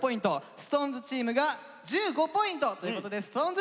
ＳｉｘＴＯＮＥＳチームが１５ポイントということでＳｉｘＴＯＮＥＳ